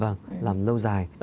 vâng làm lâu dài